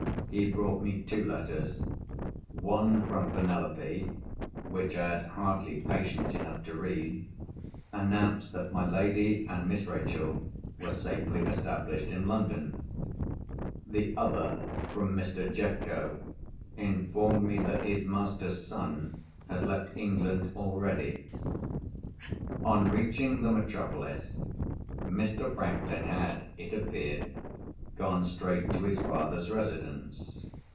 He brought me two letters. One, from Penelope (which I had hardly patience enough to read), announced that my lady and Miss Rachel were safely established in London. The other, from Mr. Jeffco, informed me that his master's son had left England already. On reaching the metropolis, Mr. Franklin had, it appeared, gone straight to his father's residence.